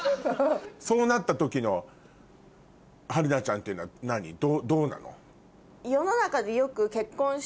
そうなった時の春菜ちゃんっていうのはどうなの？